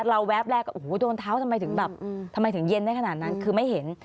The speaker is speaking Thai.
เราแวบแลกโดนเท้าทำไมถึงเย็นได้ขนาดนั้นคือไม่เห็น